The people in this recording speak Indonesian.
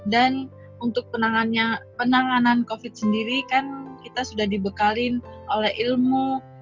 dan untuk penanganan covid sembilan belas sendiri kita sudah dibekali oleh ilmu